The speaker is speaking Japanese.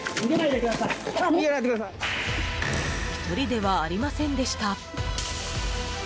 １人ではありませんでした。